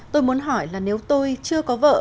tôi muốn hỏi là nếu tôi chưa có vợ